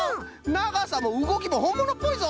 ながさもうごきもほんものっぽいぞ！